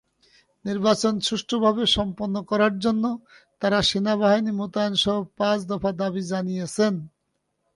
নির্বাচন সুষ্ঠুভাবে সম্পন্ন করার জন্য তারা সেনাবাহিনী মোতায়েনসহ পাঁচ দফা দাবি জানিয়েছেন।